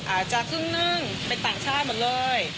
อาจจะครึ่งหนึ่งเป็นต่างชาติหมดเลย